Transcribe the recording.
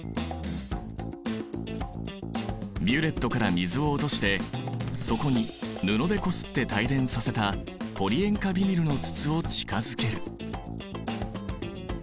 ビュレットから水を落としてそこに布でこすって帯電させたポリ塩化ビニルの筒を近づける。